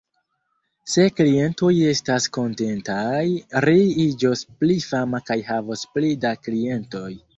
Se klientoj estas kontentaj, ri iĝos pli fama kaj havos pli da klientoj.